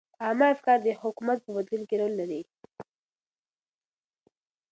عامه افکار د حکومت په بدلون کې رول لري.